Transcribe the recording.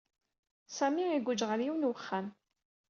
Sami iguǧǧ ɣer yiwen n uxxam.